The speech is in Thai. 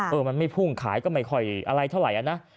เออมันไม่พุ่งขายก็ไม่ค่อยอะไรเท่าไหร่นะ